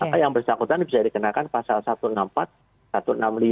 maka yang bersangkutan bisa dikenakan pasal satu ratus enam puluh empat satu ratus enam puluh lima